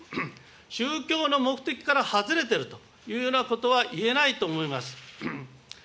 宗教の目的から外れてるというようなことは言えないと思います。